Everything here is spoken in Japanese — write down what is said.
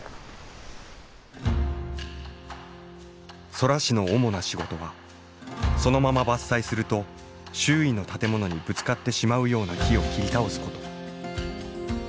空師の主な仕事はそのまま伐採すると周囲の建物にぶつかってしまうような木を切り倒すこと。